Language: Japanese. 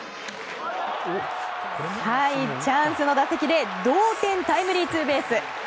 チャンスの打席で同点タイムリーツーベース。